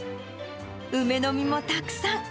梅の実もたくさん。